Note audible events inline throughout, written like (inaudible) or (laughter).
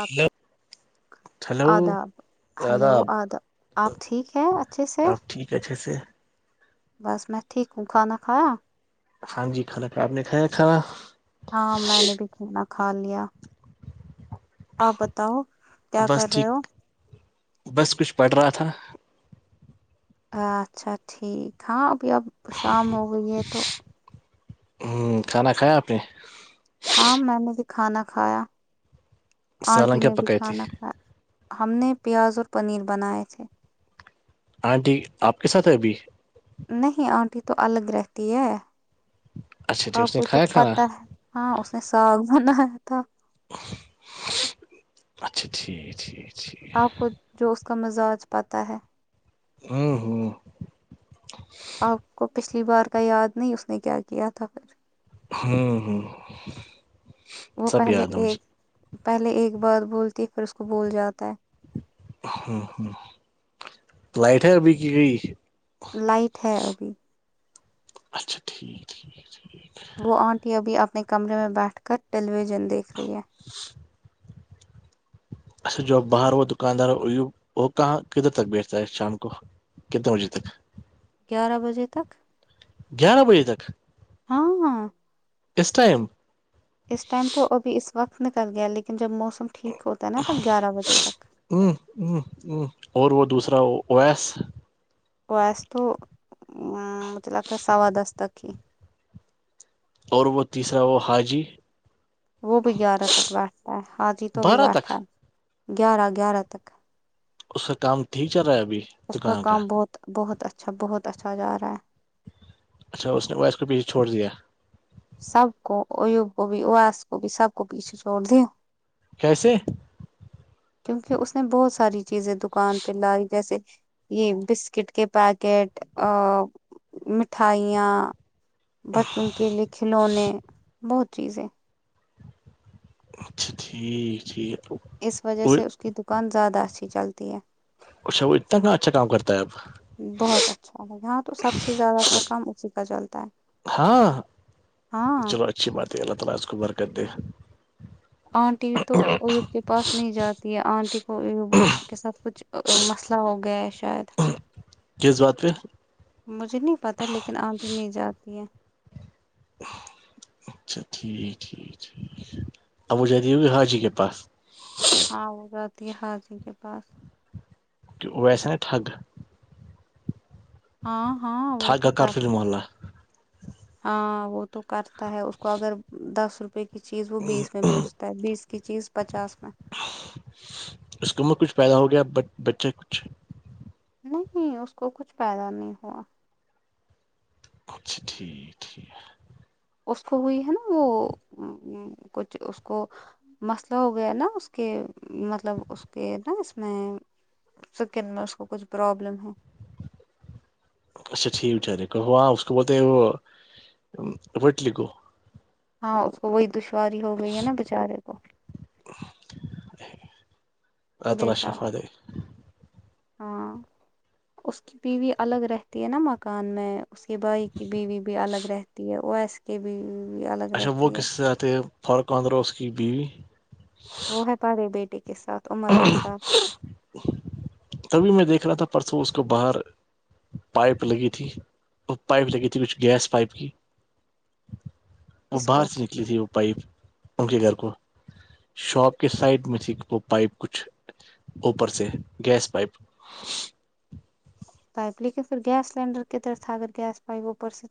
آپ (unintelligible) hello hello آداب hello آداب آپ ٹھیک ہیں اچھے سے جوس سے بس میں ٹھیک ہوں کھانا کھایا ہاں جی کھانا ک آاب نے کھایا ہے کھانا ہاں میں نے بھی کھانا کھا لیا آپ بتاؤ کیا بس کر رہے ٹھیک ہو بس کچھ پڑ رہا تھا اچھا ٹھیک ہاں ابھی اب شام ہو گئی ہے تو ہ کھانا کھیا آپ نے ہاں میں نے بھی کھانا کھایا سالن آنٹی کیا نے بھی پکائی تھی کھانا کھایا ہم نے پیاز اور پنیر بنائے تھے ہاںٹی آپ کے ساتھ ہے ابھی نہیں آنٹی تو الگ رہتی ہے اچھا ٹھیک آپ اس نے کو تو کھایا کھانا پتا ہے ہاں اس نے ساگ بنایا تھا اچھا ٹھیک ٹھیک (unintelligible) آپ کو جو اس کا مزاج پاتا ہے ہاں ہاں آپ کو پچھلی بار کا یاد نہیں اس نے کیا کیا تھا پھر ہاں ہاں وہ پہلے ایک پہلے ایک بات بولتی ہے پھر اس کو بول جاتا ہے ہوں ہوں لائٹ ہے بھیکی کی لائٹ ہے ابھی اچھا ٹھیک ٹھیک ٹھیک وہ آنٹی ابھی اپنے کمرے میں بیٹھ کر ٹیلی ویژن دیکھ رہی ہے (inaudible) اچھا جو باہر ہو دکاندار وہ کہاں کدھر تک بیچتا ہے شام کو کتنے بجے تک گیارہ بجے تک گیارہ بجے تک ہاں اسس ٹائم اس ٹائم تو ابھی اس وقت نکل گیا لیکن جب موسم ٹھیک ہوتا ہے نا تب گیارہ بجے تک ہ ہ ہ اور وہ دوسرا او ایس اویس تو ا مجھے لگتا ہے سوا دس تک ہی اور وہ تیسرا وہ حاجی وہ بھی گیارہ تک بیٹھتا ہے آج ہی تو بھی بارہ تک بیٹھا ہے گیارہ گیارہ تک اس کا کام ٹیک چل رہا ہے ابھی اس کا کام بہت بہت اچھا بہت اچھا جا رہا ہے اچھا اس نے وہ اویس کو بھی چھوڑ دیا سب کو ایوب کو بھی اس کو بھی سب کو پیچھ چڑ د کیسے کیونکہ اس نے بہت ساری چیزیں دکان پہ لائی جیسے یہ بسکٹ کے پیکٹ مٹھائیاں بچوں کے لیے کھلونے بہت چیزیں اچھا ٹھیک ٹھیک اس وجہ سے اس کی دکان زیادہ اچھی چلتی ہے اچھا وہ اتنا کا اچھا کام کرتا ہے اب بہت اچھا لگ ہاں تو سب سے زیادہ سا کام اسی کا چلتا ہے ہاں ہاں چلو اللہ تعالی اس کو اچھی برکت دے انٹی تو ایوب کے پاس نہیں جاتی ہے آنٹی کو ان کے ساتھ کچھ مسئلہ ہو گیا ہے شاید کس بات پہ مجھے نہیں پتا لیکن اگے نہیں جاتی ہے اچھا ٹھیک ٹھیک ٹھیک اب وہ جاتی ہوگی حاجی کے پاس ہاں وہ جاتی ہے حاجی کے پاس کی اویس ہے نہ ٹھگ ہاں ہاں وہ ٹھگ تو کا کارفل کرتا محلہ ہے ہاں وہ تو کرتا ہے اس کو اگر دس روپ روپ کی چیز وہ بیس میں بیچتا ہے بیس کی چیز پچاس میں اس کو مت کچھ پیدا ہوا بچے کچھ نہیں اس کو کچھ پیدا نہیں ہوا اچھ ٹھیک ٹھیک اس کو ہوئی ہے نا وہ کچھ اس کو مسئلہ ہو گیا نا اس کے مطلب اس کے نا اس میں سکن میں اس کو کچھ پرابلم ہے اچھا ٹھیک بچارے کہ ہاں اس کو بولتے ہیں وہ وٹلی کو ہاں اس کو وہی دشواری ہو گئی ہے نا بچارے کو (inaudible) اللہ شفا بےچارہ دے ہاں اس کی بیوی الگ رہتی ہے نا مکان میں اس کے بھائی کی بیوی بھی الگ رہتی ہے او ایس کی بیوی الگ رہتی ہے جاتے فارقہدرا اس کی بیوی وہ ہے پارے بیٹے کے ساتھ عمر کے ساتھ تبھی میں دیکھ رہا تھا پرسوں اس کو باہر پائپ لگی تھی وہ پائپ لگی تھی کچھ گیس پائپ کی وہ کس باہر کو سے نکلی تھی وہ پائپ ان کے گھر کو شاپ کے سائڈ میں تھی وہ پائپ کچھ اوپر سے گیس پ پائپ پائپ لیکن پھر گیس سلینڈر کی طرف سے اگر گیس پائ اوپرس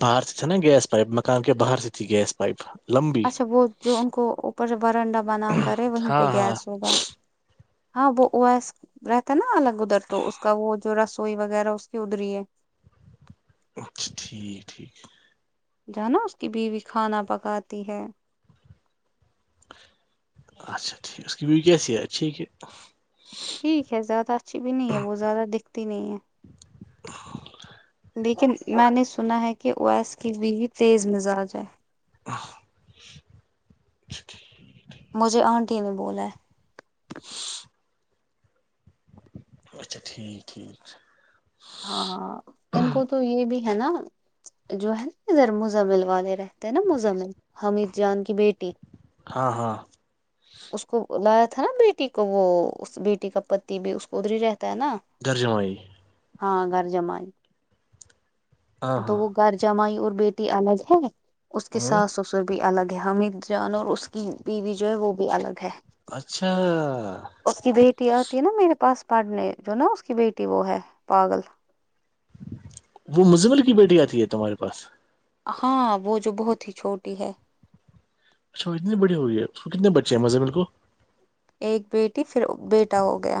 بہر سے چنا گیس پائپ مان کے بہر سے ت ہی گیس پائپ لمبی اچھا وہ جو ان کو اوپر بنڈا بنا کر ہے وہیں پہ ہاں ہاں گیس ہوگا ہاں بہ واس رہتا ہے نا الگ ادھر تو اس کا وہ جو رسوئی وغیرہ اس کی ادری ہے اچھا ٹھیک ٹھیک جو ہے نا اس کی بیوی کھانا پکاتی ہے اچھا ٹھیک کیا سحتھ کہ ٹھیک ہے زیادہ اچھی بھی نہیں ہے وہ زیادہ دکھتی نہیں ہے لیکن میں نے سنا ہے کہ اویس کی وو تیز مزاج ہے ہ اچا ٹھیکھیک مجھے آنٹی نے بولا ہے اچھا ٹھیک ٹھیک ہاں ہاں ان کو تو یہ بھی ہے نا جو ہے نا ادھر مز مل والے رہے نا مزمن حامد جان کی بیٹی ہاں ہاں اس کو لایا تھا نا بیٹی کو وہ بیٹی کا پتی بھی اس کو ادری رہتا ہے نا درجمائیی ہاں گھر جمائے ہاں تو ہاں وہ گھر جمائی اور بیٹی الگ ہے اس کے ہاں ساس سس بھی الگ ہے حامد جان اور اس کی بیوی جو ہے وہ بھی الگ ہے اچھا اس کی بیٹی آتی ہے نا میرے پاس پڑھنے جو نا اس کی بیٹی وہ ہے پاگل وہ مجمر کی بیٹی آتی ہے تمہارے پاس ہاں وہ جو بہت ہی چھوٹی ہے اچھا اتنے بڑے ہو گئے اس کو کتنے بچ ہیں مزے مال کو ایک بیٹی پھر بیٹا ہو گیا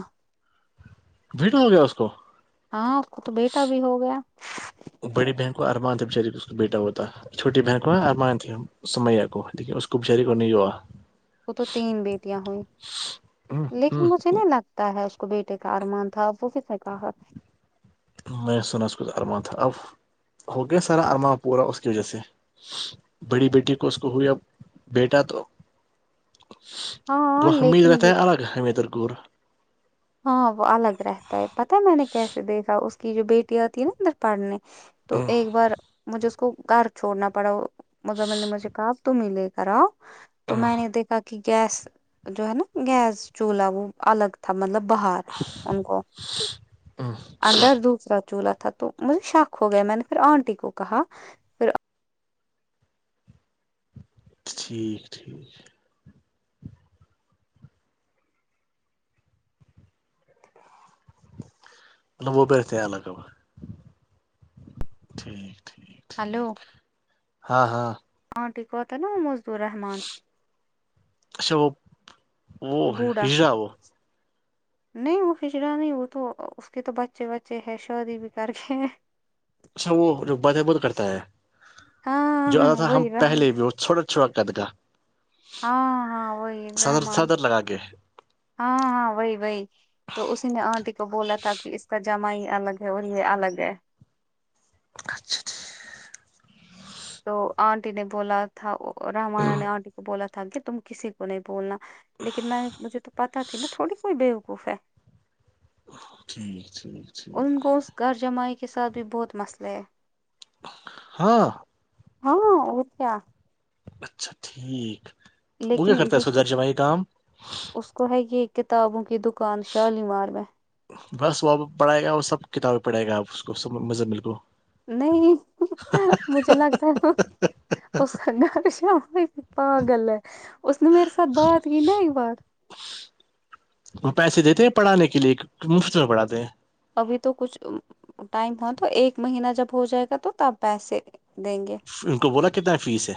بھیٹ ہو گیا اس کو ہاں خ تو بیٹا بھی ہو گیا وہ بڑی بہن کو ارمان دب شریک اس کو بیٹا ہوتا چھوٹی بہن کو اور مانتی میا کو لیکن اس کو بچاری کو نہیں ہوا وہ تو تین بیٹیاں ہوئ ہوں ہوں لیکن مھنے لگ تا ہے اس کو بیٹے کا ارمان تھا وہ کس نے کہا میں سنا اس ک ارما تھا اب ہو گیا سارا ارما پورا اس کی وجہ سے بڑی بیٹی کو اس کو ہو بیٹا تو وہ ہاں حمید لیکن رہتا ہے یہ الگ حدر گور ہاں وہ الگ رہتا ہے پتاہ ہے میں نے کیسے دیکھا اس کی جو بیٹی آتی ہے نا پڑھنے تو ایک بار مجھے اس کو گھر چھوڑنا پڑا مزمل نے مجھے کہا اب تم ہی لے کراؤ تو میں نے کا کہ گیس جو ہے نا گیس چولہا وہ الگ تھا مطلب باہار ان کو (inaudible) اندر دوسرا چولہا تھا تو مجھے شق ہو گیا میں نے پھر آنٹی کو کہا پھر ٹھیک ٹھیک مطلب وہ بیہتے ہیں لگ بھگ ٹھیک ٹھیک ہلو ٹھیک ہاں ہاں آنٹی کوکتا نہا وہ مزور رحمان اچھا وہ وہ بوڑھا ہجرا وہ نہیں وہ کھچڑا نہیں وہ تو اس کے تو بچے بچے ہیں شادی بھی کر کے اس وہ جو بات ہے وہ تو کرتا ہے جو آتا ہاں تھا ہم وہی رہ پہلے بھی وہ چھوٹا چھڑا کت کا ہاں ہاں وہی صدر رحمان صدر لگا کے ہاں ہاں وہی وہی تو اس نے آنٹی کو بولا تھا کہ اس کا جاما ہی الگ ہے اور یہ الگ ہے اور خ تو آنٹی نے بولا تھا رمانہ نے آنٹی کو بولا تھا کہ تم کسی کو نہیں بولنا لیکن میں مجھے تو پتاہ تھی نا تھوڑی کوئی بیوقوف ہے ٹھیک ٹھیک ان کو اس گغر جمائیع کے ساتھ بھی بہت مسئلہ ہے ہاں ہاں ا کیا کیا اچھا ٹھیک تو وہ کیا لیکن کرتا جو ہے گھر جمعائی کام اس کو ہے گی کتابوں کی دکان شالیمار میں بس وہ اب پڑھائے گا اور سب کتابیں پڑھے گا آپ اس کو سب مزمل کو نہیں مجھے لگتا ہے اس سا خش پ گل ہے اس نے میرے ساتھ بات کی نہئی بار وہ پیسے دیتے ہیں پڑھانے کے لیے مفت میں پڑھاتے ہیں ابھی تو کچھ ٹائم ہو تو ایک مہینہ جب ہو جائے گا تو تب پیسے دیں گے ان کو بولا کتنا فیس ہے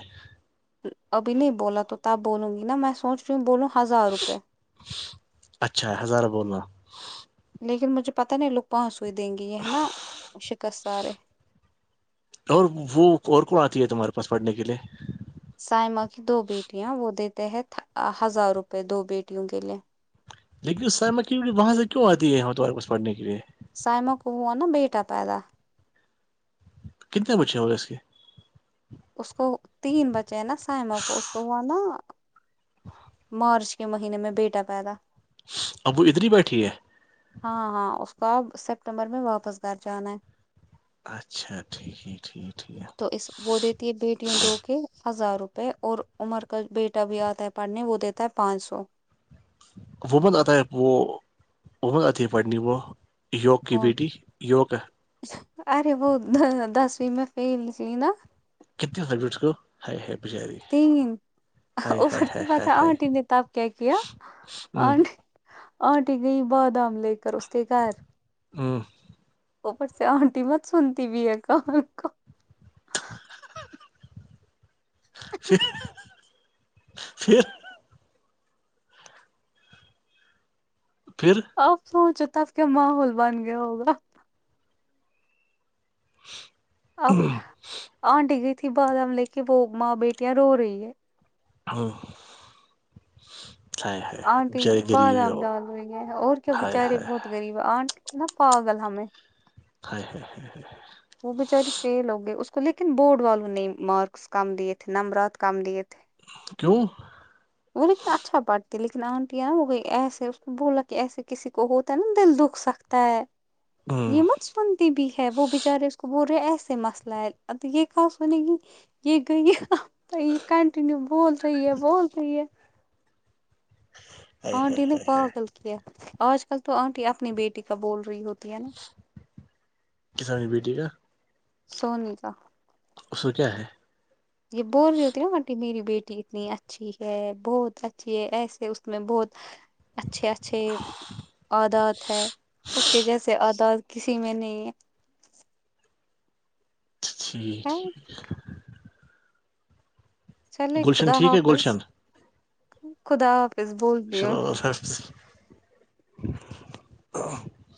ابھی نہیں بولا تو تب بولوں گی نا میں سوچ رہی ہوں بولوں ہزار روپئے اچھا ہزارہ بولنا لیکن مجھے پتاہ نہیں لوگ پانچ سوئی دیں گے یہ ہے نا شکست سارے اور وہ اور کون آتی ہے تمہارے پاس پڑھنے کے لیے سائما کی دو بیٹیاں وہ دیتے ہیں ہزار روپئے دو بیٹیوں کے لیے لیکن اس سر میں کیون کہ وہاں سے کیوں آتی ہے ہوتوار کچ پڑھنے کے لیے سائمہ کو ہو نا بیٹا پیدا کتنے بچے ہوولے اس کے اس کو تین بچے ہیں نا سائ ماں کو اس کو ہوا نا م مرچ کے مہینے میں بیٹا پیدا ابو اتری پیٹ ہی ہے ہاں ہاں اس کو اب سپٹمبر میں واپس گھر جانا ہے اچھا ٹھیک ہے ٹھیک ٹھیک ہے تو اس وہ دیتی ہے بیٹیوں دو کے ہزار روپئے اور عمر کا بیٹا بھی آتا ہے پڑھنے وہ دیتا ہے پانچ سو وومن آتا ہے وہ وومن آتی ہے پڑھنی وہ یوگ کی کون بیٹی یوگک ہے ارے وہ دسویں میں فیل س نا کتنے ہو فیریٹس کو ہ ہے بچاری تین ہائے ہائے اوپر سے ہائے پت ہائے ہائے آنٹی نے تپ کیا کیا ہوں آٹی آنٹی گئی بادام لے کر اس کے گھر ہوں اوپر سے آنٹی مت سنتی بھی ہے کہ ش ش پھر آپ سوچو تب کیا ماحول بن گیا ہوگا (inaudible) اب آنٹی گئی تھی بادام لے کے وہ ماں بیٹیاں رو رہی ہے ہ آنٹی بادام ڈال رہی ہے اور کیا ہائے بیچارے ہائے بہت غریب آنٹ نا پاگل ہمیں ہ وہ بچاری فیل ہو گئی اس کو لیکن بورڈ والوں نے مارکس کام دیے تھے نمرات کام دیے تھے کیوں وہ ل اتنا اچھا پڑھتی ہے لیکن آنٹی ہے نا وہ ایسے بولا کہ ایسے کسی کو ہوتا ہے نا دل دکھ سکتا ت ہوں یہ سنتی بھی ہے وہ بچارے اس کو بول رہے ایسے مسئلہ ہے ا یہ کہ سنے گی یہ گ یہ کنٹنیو بول رہی ہے بول رہی ہے ہائے ہائے آنٹی نے پاگل کیا آج کل تو آنٹی اپنی بیٹی کا بول رہی ہوتی ہے نا کسانی بیٹی کا سونی کا اس میں کیا ہے یہ بول رہی ہوتی نا بنٹی میری بیٹی اتنی اچھی ہے بہت اچھی ہے ایسے اس میں بہت اچھے اچھے عدات ہے اوک جیسے عدات کسی میں نہیں ٹھیک ہے ٹھیک چلے گلشن خدا ٹھیک ہے حافظ گلشن خدا حافظ بول رہی ہوں شلہ حست